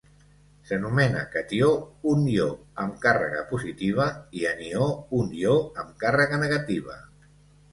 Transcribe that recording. S'anomena catió un ió amb càrrega positiva, i anió un ió amb càrrega negativa.